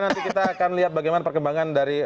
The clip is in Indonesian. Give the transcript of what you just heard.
nanti kita akan lihat bagaimana perkembangan dari